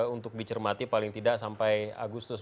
untuk dicermati paling tidak sampai agustus